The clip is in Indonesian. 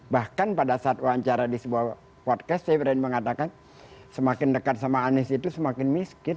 bahkan pada saat wawancara di sebuah podcast saya berani mengatakan semakin dekat sama anies itu semakin miskin